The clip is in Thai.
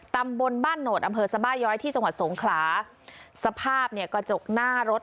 ตำบลบ้านโหนดอำเภอสบาย้อยที่จังหวัดสงขลาสภาพเนี่ยกระจกหน้ารถ